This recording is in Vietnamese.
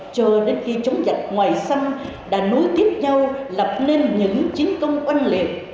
chờ đến khi chống dạch ngoài xăm đã nối tiếp nhau lập nên những chiến công oanh liệt